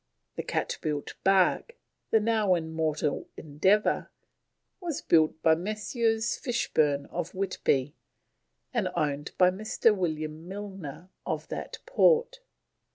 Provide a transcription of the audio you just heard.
The cat built bark, the now immortal Endeavour, was built by Messrs. Fishburn of Whitby, and owned by Mr. William Milner of that port.